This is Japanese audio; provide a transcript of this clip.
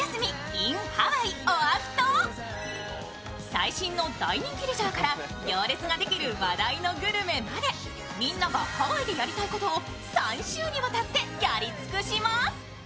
最新の大人気レジャーから行列ができる話題のグルメまでみんながハワイでやりたいことを３週にわたってやり尽くしまーす。